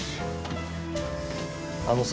あのさ。